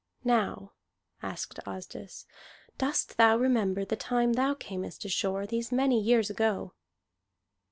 "Now," asked Asdis, "dost thou remember the time thou camest ashore, these many years ago?"